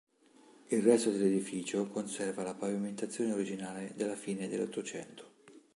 Il resto dell'edificio conserva la pavimentazione originale della fine dell'Ottocento.